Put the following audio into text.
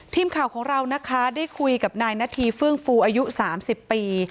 ทีมข่าวของเรานะคะได้คุยกับนายนาธีเฟื่องฟูอายุ๓๐ปี